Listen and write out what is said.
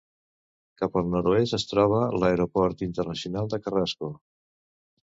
Cap al nord-oest es troba l'Aeroport Internacional de Carrasco.